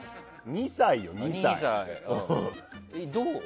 ２歳よ、２歳。